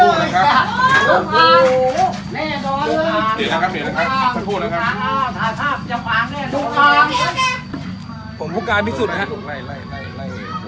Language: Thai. กัดถุงอยู่กัดถุงอยู่กัดถุงอยู่ผมเห็นแล้วผมเห็นตัวแล้ว